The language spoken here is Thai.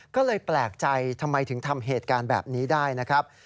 ก็เลยแปลกใจทำไมถึงทำเหตุการณ์แบบนี้ได้นะครับ